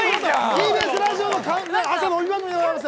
ＴＢＳラジオの朝の帯番組でございます。